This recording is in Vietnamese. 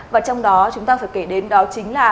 và trong đó chúng ta phải kể đến đó chính là